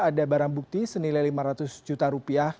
ada barang bukti senilai lima ratus juta rupiah